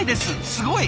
すごい！